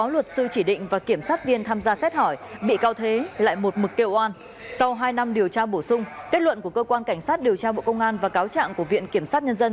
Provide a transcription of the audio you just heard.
sau hai năm điều tra bổ sung kết luận của cơ quan cảnh sát điều tra bộ công an và cáo trạng của viện kiểm sát nhân dân